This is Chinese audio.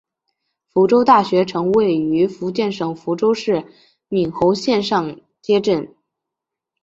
福州大学城位于福建省福州市闽侯县上街镇。